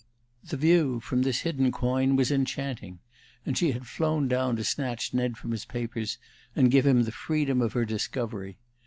The view from this hidden coign was enchanting, and she had flown down to snatch Ned from his papers and give him the freedom of her discovery.